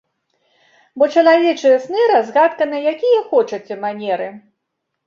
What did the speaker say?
Бо чалавечыя сны разгадка на якія хочаце манеры.